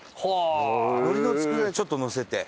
海苔の佃煮ちょっとのせて。